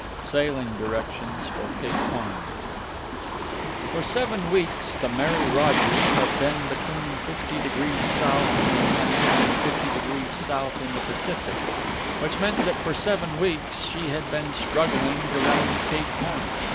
_ Sailing directions for Cape Horn. For seven weeks the Mary Rogers had been between 50° south in the Atlantic and 50° south in the Pacific, which meant that for seven weeks she had been struggling to round Cape Horn.